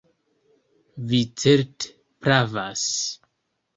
Vi certe pravas!